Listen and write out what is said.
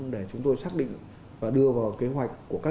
để chúng tôi xác định và đưa vào kế hoạch của công an